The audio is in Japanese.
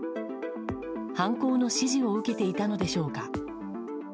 犯行の指示を受けていたのでしょうか。